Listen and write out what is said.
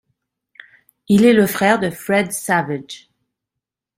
Il est le frère de Fred Savage.